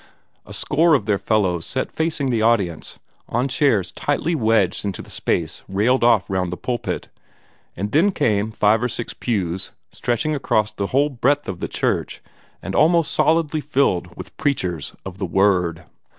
A score of their fellows sat facing the audience, on chairs tightly wedged into the space railed off round the pulpit; and then came five or six rows of pews, stretching across the whole breadth of the church, and almost solidly filled with preachers of the Word.